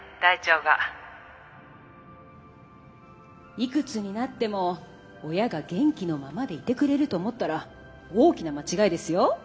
いくつになっても親が元気のままでいてくれると思ったら大きな間違いですよ。